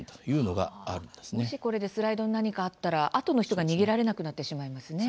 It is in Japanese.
もしこれでスライドに何かあったらあとの人が逃げられなくなってしまいますね。